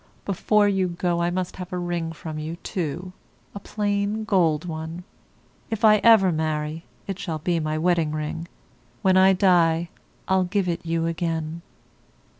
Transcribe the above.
Before you go I must have a ring from you, too, a plain gold one; if I ever marry it shall be my wedding ring; when I die I'll give it you again.